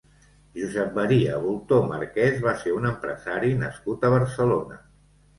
Josep Maria Bultó Marquès va ser un empresari nascut a Barcelona.